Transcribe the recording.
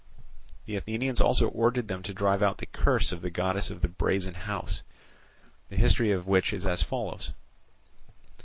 The Athenians also ordered them to drive out the curse of the goddess of the Brazen House; the history of which is as follows.